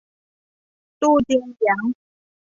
ตูเจียงเยี่ยน